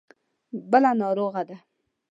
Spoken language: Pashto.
بله ناروغه ده.